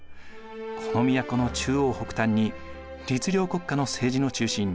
この都の中央北端に律令国家の政治の中心